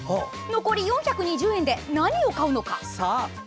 残り４２０円で何を買うのか？